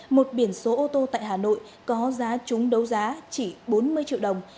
một biển số ô tô tại hà nội có giá trúng đấu giá chỉ bốn mươi triệu đồng